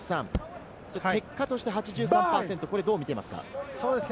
結果として８３％、どう見ていますか？